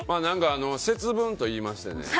節分と言いましてね。